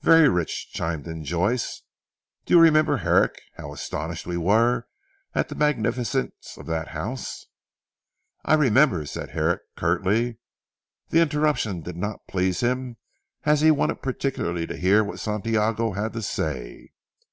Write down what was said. "Very rich," chimed in Joyce. "Do you remember Herrick, how astonished we were at the magnificence of that house?" "I remember," said Herrick curtly. The interruption did not please him, as he wanted particularly to hear what Santiago had to say.